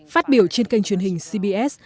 phát biểu trên kênh truyền hình cbs